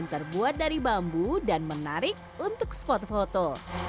terbuat dari bambu dan menarik untuk spot foto